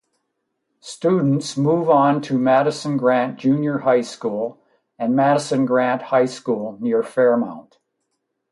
Students move on to Madison-Grant Junior High School and Madison-Grant High School near Fairmount.